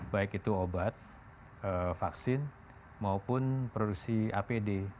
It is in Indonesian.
baik itu obat vaksin maupun produksi apd